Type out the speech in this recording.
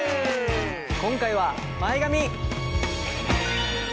今回は前髪！